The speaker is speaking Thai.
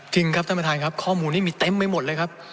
จริงครับท่านประธานครับข้อมูลนี้มีเต็มไปหมดเลยครับ